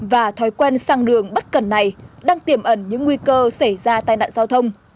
và thói quen sang đường bất cần này đang tiềm ẩn những nguy cơ xảy ra tai nạn giao thông